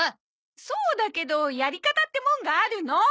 そうだけどやり方ってもんがあるの！